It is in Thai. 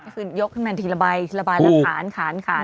ก็คือยกขึ้นมาทีละใบทีละใบละขานขานขาน